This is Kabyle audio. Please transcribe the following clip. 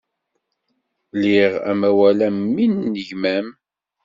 Liɣ amawal am win n gma-m.